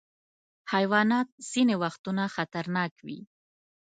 حیوانات ځینې وختونه خطرناک وي.